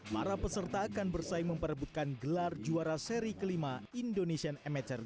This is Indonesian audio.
para peserta akan bersaing memperebutkan gelar juara seri kelima indonesian amature